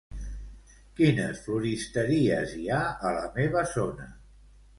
Quines floristeries hi ha a la meva zona?